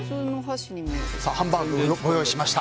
ハンバーグをご用意しました。